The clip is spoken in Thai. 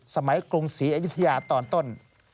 สมัยกรุงศรีอัยยุธิยาตอนต้น